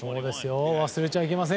忘れちゃいけません。